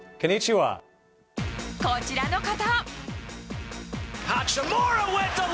こちらの方。